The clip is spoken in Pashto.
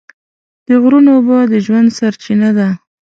د غرونو اوبه د ژوند سرچینه ده.